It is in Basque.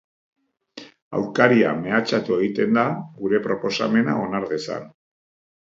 Aurkaria mehatxatu egiten da, gure proposamena onar dezan.